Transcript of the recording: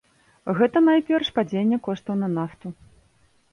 Гэта, найперш, падзенне коштаў на нафту.